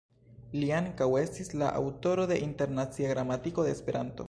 Li ankaŭ estis la aŭtoro de "Internacia Gramatiko de Esperanto.